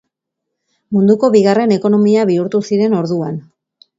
Munduko bigarren ekonomia bihurtu ziren orduan.